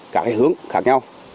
các hướng khác nhau